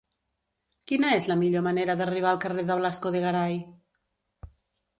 Quina és la millor manera d'arribar al carrer de Blasco de Garay?